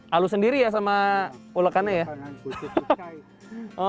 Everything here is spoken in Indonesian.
halus sendiri ya sama ulekannya ya